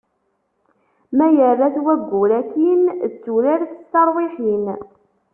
Ma yerra-t waggur akin d turart s tarwiḥin.